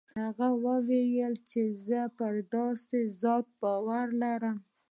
هغه وويل زه پر داسې ذات باور لرم.